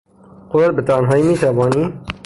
خودت به تنهایی میتوانی؟